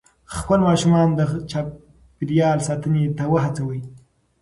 خپل ماشومان د چاپېریال ساتنې ته وهڅوئ.